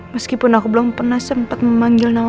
meskipun aku belum pernah sempet memanggil nama mama